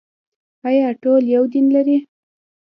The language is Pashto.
آیا ټول یو دین لري؟